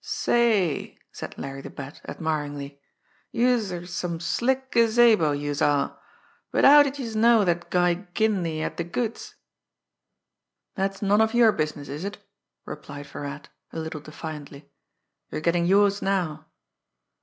"Say," said Larry the Bat admiringly, "youse're some slick gazabo, youse are! But how did youse know dat guy Kenleigh had de goods?" "That's none of your business, is it?" replied Virat, a little defiantly. "You're getting yours now."